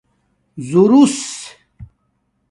ذݸروس